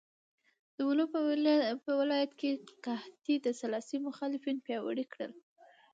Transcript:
د ولو په ولایت کې قحطۍ د سلاسي مخالفین پیاوړي کړل.